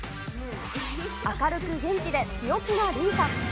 明るく元気で強気なリンさん。